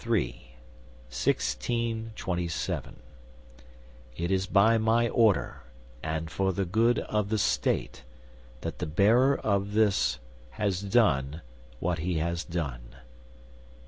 3, 1627 "It is by my order and for the good of the state that the bearer of this has done what he has done.